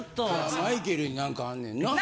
マイケルに何かあんねんな。